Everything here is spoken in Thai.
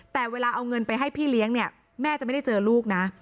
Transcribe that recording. แต่เวลาเอาเงินไปให้พี่เลี้ยงเนี่ยแม่จะไม่ได้เจอลูกนะ